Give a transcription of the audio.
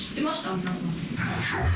皆さん。